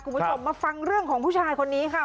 คุณผู้ชมมาฟังเรื่องของผู้ชายคนนี้ค่ะ